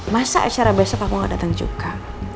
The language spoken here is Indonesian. masa acara besok aku gak datang juga